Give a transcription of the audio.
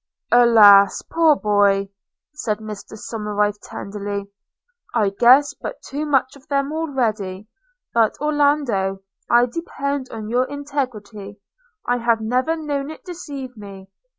'Alas, poor boy!' said Mr Somerive tenderly, 'I guess but too much of them already: – but, Orlando, I depend upon your integrity; I have never known it deceive me.